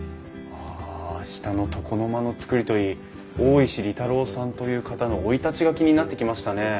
あ下の床の間の造りといい大石利太郎さんという方の生い立ちが気になってきましたね。